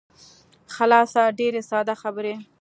خلاصه ډېرې ساده خبرې.